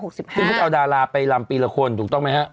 คือเค้าจะเอาดาราไปรำปีละคนถูกต้องมั้ยฮะ